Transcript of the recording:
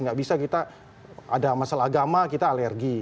nggak bisa kita ada masalah agama kita alergi